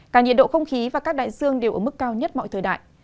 cả nhiệt độ không khí và các đại dương đều ở mức cao nhất mọi thời đại